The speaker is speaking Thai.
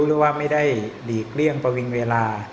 หรือว่าไม่ได้หลีกเลี่ยงประวิงเวลา